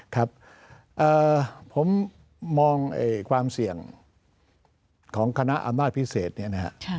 ครับผมมองความเสี่ยงของคณะอำนาจพิเศษเนี่ยนะฮะ